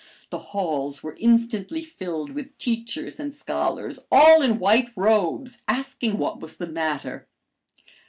The halls were instantly filled with teachers and scholars, all in white robes, asking what was the matter.